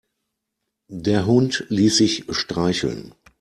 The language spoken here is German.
Der Hund ließ sich streicheln.